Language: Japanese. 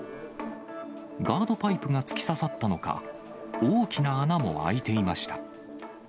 ガードパイプが突き刺さったのか、大きな穴も開いていました。